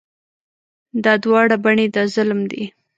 دا دواړه بڼې د ظلم دي.